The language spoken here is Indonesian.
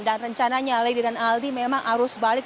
dan rencananya lady dan aldi memang harus balik